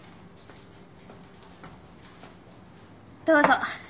どうぞ。